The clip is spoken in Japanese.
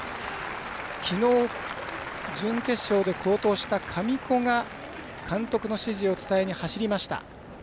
きのう、準決勝で好投した神子が監督の指示を伝えに走りました。